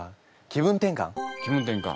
気分転換。